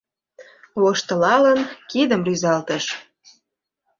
Воштылалын, кидым рӱзалтыш.